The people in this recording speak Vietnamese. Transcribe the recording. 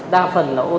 đa phần là sử dụng